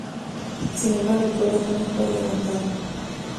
Sin embargo el programa no fue levantado.